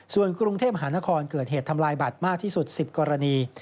ส่วนกรุงเทพมหานครเกิดเหตุทำลายบัตรมากที่สุด๑๐กรณี